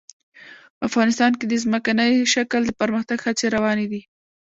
افغانستان کې د ځمکنی شکل د پرمختګ هڅې روانې دي.